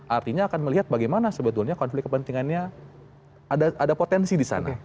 artinya akan melihat bagaimana sebetulnya konflik kepentingannya ada potensi di sana